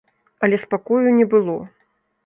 Але спакою не было.